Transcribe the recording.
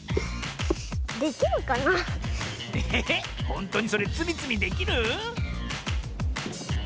ほんとにそれつみつみできる？